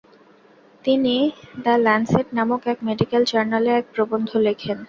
তিনি the Lancet নামক এক মেডিক্যাল জার্নালে এক প্রবন্ধ লেখেন।